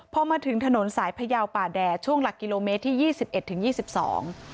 พอมาถึงถนนสายพระยาวป่าแดดช่วงหลักกิโลเมตรที่๒๑ถึง๒๒